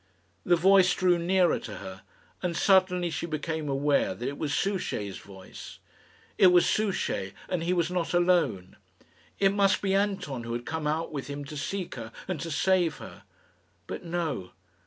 The voice drew nearer to her, and suddenly she became aware that it was Souchey's voice. It was Souchey, and he was not alone. It must be Anton who had come out with him to seek her, and to save her. But no.